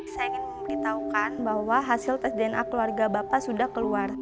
saya ingin memberitahukan bahwa hasil tes dna keluarga bapak sudah keluar